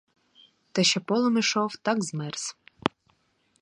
Та ще полем ішов, так змерз.